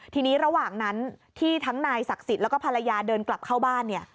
ทีนี้ระหว่างนั้นที่ทั้งนายศักดิ์สิทธิ์แล้วก็ภรรยาเดินกลับเข้าบ้านเนี่ย